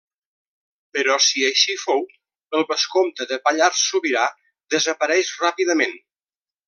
Però, si així fou, el vescomte de Pallars Sobirà desapareix ràpidament.